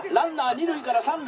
「二塁から三塁」。